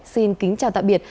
xin kính chào tạm biệt